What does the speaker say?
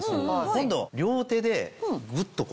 今度両手でグッとこう。